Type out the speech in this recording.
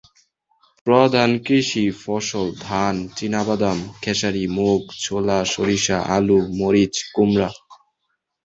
প্রধান কৃষি ফসল ধান, চিনাবাদাম, খেসারি, মুগ, ছোলা, সরিষা, আলু, মরিচ, কুমড়া।